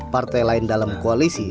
partai lain dalam koalisi